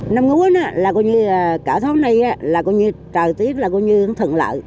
năm ngũa là như cả tháng này là như trời tiết là như thần lợi